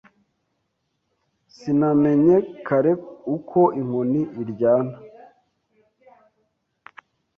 Sinamenye kare uko inkoni iryana